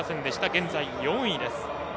現在４位です。